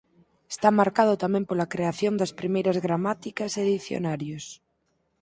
Está marcado tamén pola creación das primeiras gramáticas e dicionarios.